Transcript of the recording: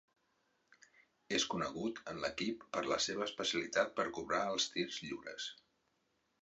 És conegut en l'equip per la seva especialitat per cobrar els tirs lliures.